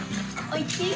おいしい！